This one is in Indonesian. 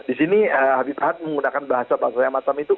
di sini habib hat menggunakan bahasa bahasa yang macam itu